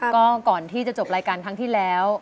ก็ก่อนที่จะจบรายการครั้งที่แล้ว